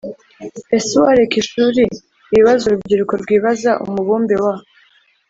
Ese uwareka ishuri Ibibazo urubyiruko rwibaza Umubumbe wa